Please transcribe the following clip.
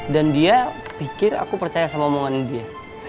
dan dia pikir aku percaya sama omongannya dia